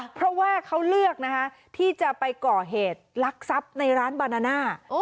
เพราะว่าเขาเลือกนะคะที่จะไปก่อเหตุลักษัพในร้านบานาน่า